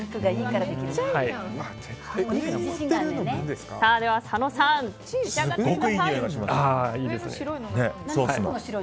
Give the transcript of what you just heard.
では佐野さん召し上がってください。